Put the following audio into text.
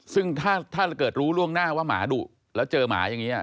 ซึ่งถ้าเกิดรู้ล่วงหน้าว่าหมาดุแล้วเจอหมาอย่างนี้